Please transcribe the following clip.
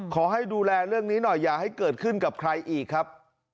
ขอให้ดูแลเรื่องนี้หน่อยอย่าให้เกิดขึ้นกับใครอีกครับ